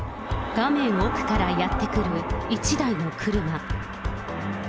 画面奥からやって来る一台の車。